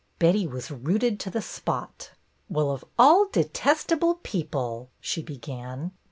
Betty was rooted to the spot. "Well, of all detestable people !" she began.